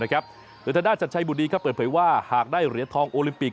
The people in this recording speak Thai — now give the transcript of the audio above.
หลวงพ่อศัตริย์ชัชชายบุฏดีเปิดเผยว่าหากได้เหรียญทองโอลิมปิก